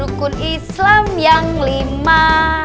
rukun islam yang lima